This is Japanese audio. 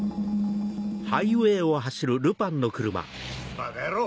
バカ野郎！